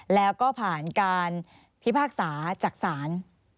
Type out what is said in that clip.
แล้วก็ผ่านการพิพากษาจากศาล